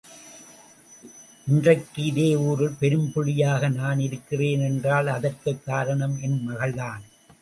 இன்றைக்கு இதே ஊரில் பெரும் புள்ளியாக நான் இருக்கிறேன் என்றால் அதற்குக் காரணம் என் மகள்தான்.